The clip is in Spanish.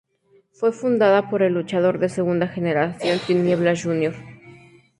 Fue fundada por el luchador de segunda generación Tinieblas Jr.